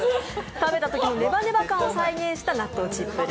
食べたときにネバネバ感を再現した納豆チップル。